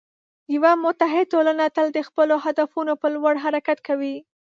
یوه متعهد ټولنه تل د خپلو هدفونو په لور حرکت کوي.